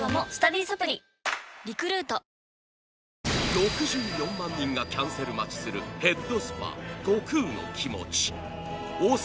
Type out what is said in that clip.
６４万人がキャンセル待ちするヘッドスパ悟空のきもち王様